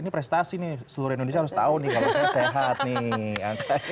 ini prestasi nih seluruh indonesia harus tahu nih kalau saya sehat nih